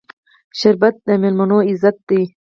شربت د میلمنو عزت دی